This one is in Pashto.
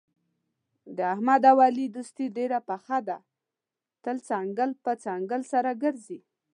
د احمد او علي دوستي ډېره پخه ده، تل څنګل په څنګل سره ګرځي.